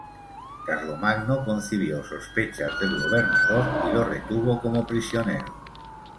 Carlomagno concibió sospechas del gobernador y lo retuvo como prisionero.